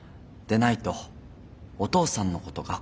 でないとお父さんのこと